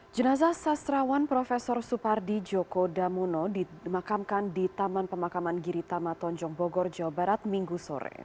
jenazah sastrawan prof supardi joko damuno dimakamkan di taman pemakaman giritama tonjong bogor jawa barat minggu sore